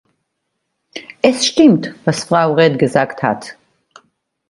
Es stimmt, was Frau Read gesagt hat.